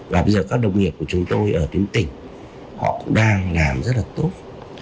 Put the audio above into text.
và bây giờ các đồng nghiệp của chúng tôi ở tuyến tỉnh họ cũng đang làm rất là tốt